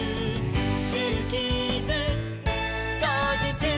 「ジューキーズ」「こうじちゅう！」